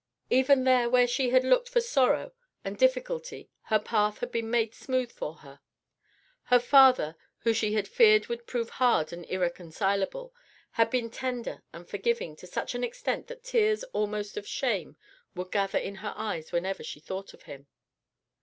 Even there where she had looked for sorrow and difficulty her path had been made smooth for her. Her father, who she had feared would prove hard and irreconcilable, had been tender and forgiving to such an extent that tears almost of shame would gather in her eyes whenever she thought of him.